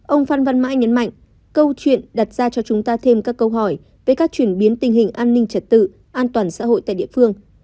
ông phan văn mãi nhấn mạnh câu chuyện đặt ra cho chúng ta thêm các câu hỏi về các chuyển biến tình hình an ninh trật tự an toàn xã hội tại địa phương